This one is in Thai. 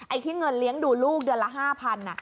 ที่เงินเลี้ยงดูลูกเดือนละ๕๐๐บาท